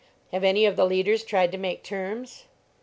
"Have any of the leaders tried to make terms?"